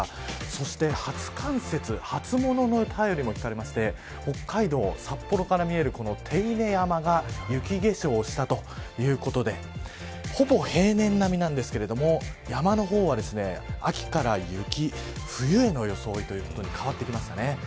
そして初冠雪、初物のたよりも聞かれまして北海道札幌から見える手稲山が雪化粧したということでほぼ平年並みなんですけれども山の方は秋から雪冬への装いというふうに変わってきましたね。